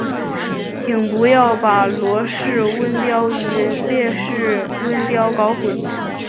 请不要把罗氏温标与列氏温标搞混。